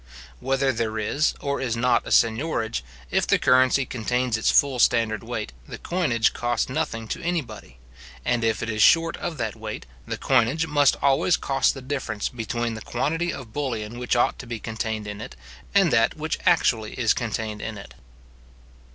Whether there is or is not a seignorage, if the currency contains its full standard weight, the coinage costs nothing to anybody; and if it is short of that weight, the coinage must always cost the difference between the quantity of bullion which ought to be contained in it, and that which actually is contained in it.